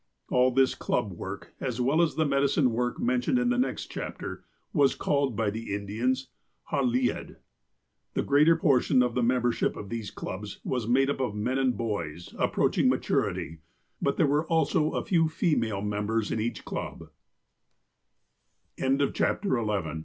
All of this club work, as well as the medicine work mentioned in the next chapter, was called by the Indians "hallied." The greater portion of the membership of these clubs was made up of men and boys, approaching maturity, but there were also a few female mem